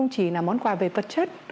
vì là món quà về vật chất